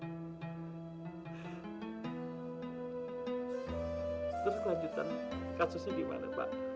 terus lanjutan kasusnya dimana pak